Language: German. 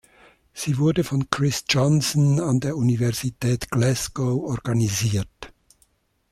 Sie wurde von Chris Johnson an der Universität Glasgow organisiert.